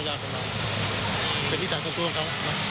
บ๊วยบริษัทธิ์แต่แค่นักเรียนที่บอกว่า๒๐กว่าคนที่โดนด่วนลา